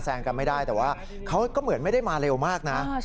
กันไม่ได้แต่ว่าเขาก็เหมือนไม่ได้มาเร็วมากนะ